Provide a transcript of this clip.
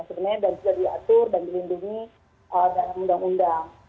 sebenarnya dan juga diatur dan dilindungi dengan undang undang